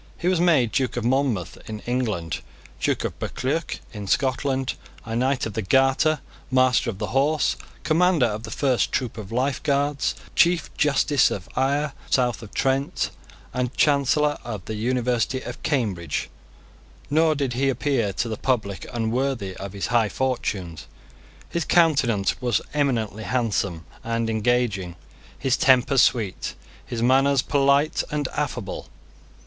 He was made Duke of Monmouth in England, Duke of Buccleuch in Scotland, a Knight of the Garter, Master of the Horse, Commander of the first troop of Life Guards, Chief Justice of Eyre south of Trent, and Chancellor of the University of Cambridge. Nor did he appear to the public unworthy of his high fortunes. His countenance was eminently handsome and engaging, his temper sweet, his manners polite and affable.